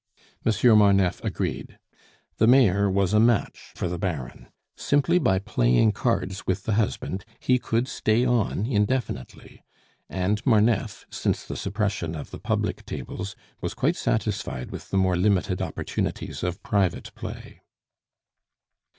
Monsieur Marneffe agreed. The Mayor was a match for the Baron. Simply by playing cards with the husband he could stay on indefinitely; and Marneffe, since the suppression of the public tables, was quite satisfied with the more limited opportunities of private play.